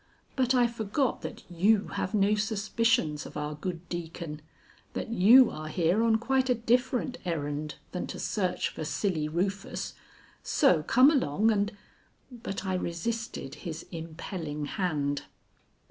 But I forgot that you have no suspicions of our good Deacon; that you are here on quite a different errand than to search for Silly Rufus. So come along and " But I resisted his impelling hand.